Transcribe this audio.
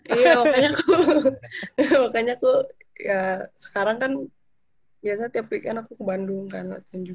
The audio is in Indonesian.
iya makanya aku ya sekarang kan biasanya tiap weekend aku ke bandung kan